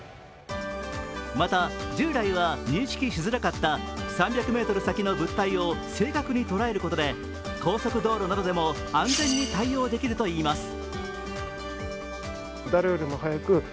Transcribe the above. また、従来は認識しづらかった３００ｍ先の物体を正確に捉えることで高速道路などでも安全に対応できるといいます。